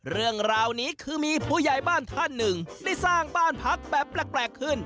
เรื่องราวนี้คือมีผู้ใหญ่บ้านท่านหนึ่งได้สร้างบ้านพักแบบแปลกขึ้น